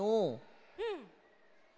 うん。